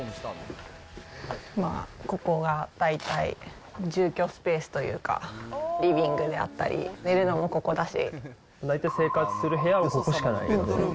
まあ、ここが大体、住居スペースというか、リビングであったり、大体生活する部屋はここしかない。